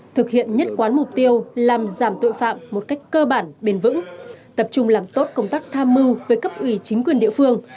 thực hiện nhất quán mục tiêu làm giảm tội phạm một cách cơ bản bền vững tập trung làm tốt công tác tham mưu với cấp ủy chính quyền địa phương